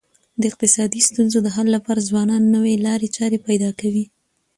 د اقتصادي ستونزو د حل لپاره ځوانان نوي لاري چاري پیدا کوي.